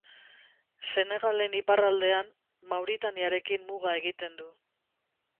Senegalen iparraldean Mauritaniarekin muga egiten du.